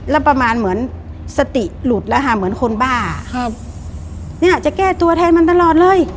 แล้วประมาณเหมือนสติหลุดแล้วค่ะเหมือนคนบ้าครับเนี่ยจะแก้ตัวแทนมันตลอดเลย